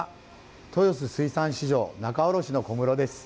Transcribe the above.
豊洲水産市場仲卸の小室です。